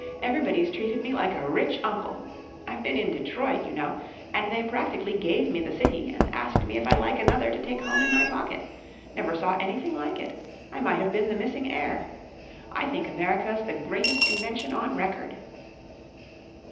Everybody's treated me like a rich uncle. I've been in Detroit, you know, and they practically gave me the city and asked me if I'd like another to take home in my pocket. Never saw anything like it. I might have been the missing heir! I think America's the greatest invention on record."